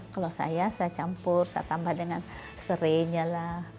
kalau saya saya campur saya tambah dengan serainya lah